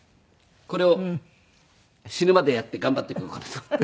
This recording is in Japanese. これを死ぬまでやって頑張ってみようかなと思って。